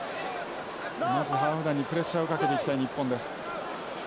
まずハーフ団にプレッシャーをかけていきたい日本です。